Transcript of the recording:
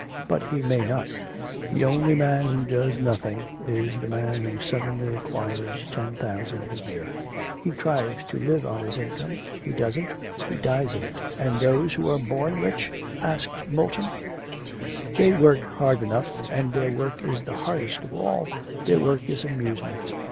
But he may not. The only man who does nothing is the man who suddenly acquires ten thousand a year; he tries to live on his income; he doesn't, he dies of it.' 'And those who are born rich?' asked Moulton. 'They work hard enough, and their work is the hardest of all, their work is amusement.